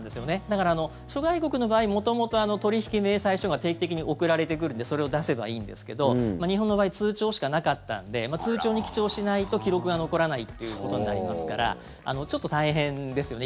だから、諸外国の場合元々、取引明細書が定期的に送られてくるんでそれを出せばいいんですけど日本の場合通帳しかなかったんで通帳に記帳しないと記録が残らないということになりますからちょっと大変ですよね。